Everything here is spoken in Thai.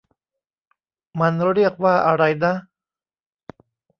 มันเรียกว่าอะไรนะ ?